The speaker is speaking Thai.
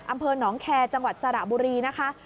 อำเภอหนองแคร์จังหวัดสระบุรีนะคะ